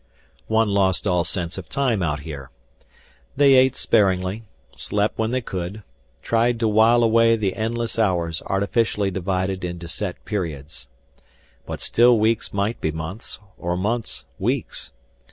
One lost all sense of time out here. They ate sparingly, slept when they could, tried to while away the endless hours artificially divided into set periods. But still weeks might be months, or months weeks.